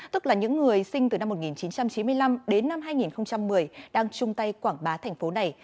tức là những người sinh từ năm một nghìn chín trăm chín mươi năm đến năm hai nghìn một mươi đang chung tay quảng bá thành phố này